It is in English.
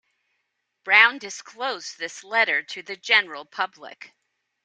Browne disclosed this letter to the general public.